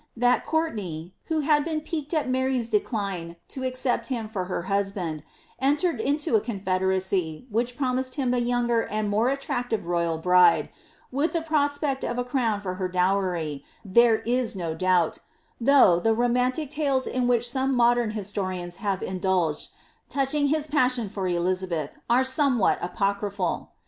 That Courtenay, who had been piqued at Mary's declining to accept him for her husband, entered into a confederacy, which promised him a younger and more attractive royal bride, with the prospect of a crown for her dowry, there is no doubt; though, the romantic tales in which some modern historians have indulged, touching his passion for Elizabeth, are somewhat apocry phal.